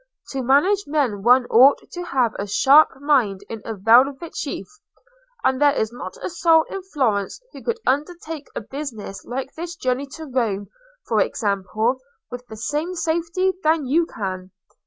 To manage men one ought to have a sharp mind in a velvet sheath. And there is not a soul in Florence who could undertake a business like this journey to Rome, for example, with the same safety that you can.